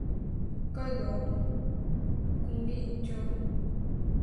北海道今金町